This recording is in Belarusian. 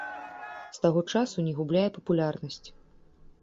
З таго часу не губляе папулярнасць.